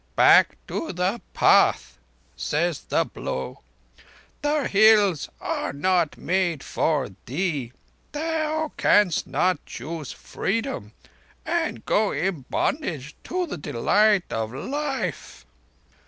'Back to the path,' says the Blow. 'The Hills are not for thee. Thou canst not choose Freedom and go in bondage to the delight of life.